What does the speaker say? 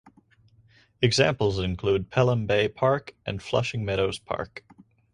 Examples include Pelham Bay Park and Flushing Meadows Park.